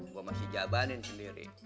gue masih jabanin sendiri